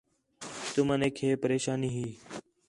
تُمنیک ہِے پریشانی ہی